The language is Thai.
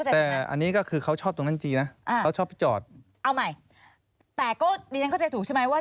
แต่ก็ดิฉันเข้าใจถูกใช่ไหม